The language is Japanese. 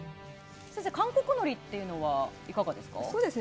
韓国のりというのはいかがですか？